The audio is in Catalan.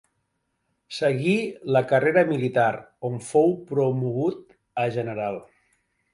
Seguí la carrera militar, on fou promogut a general.